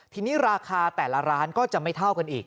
ทีนี้ราคาแต่ละร้านก็จะไม่เท่ากันอีก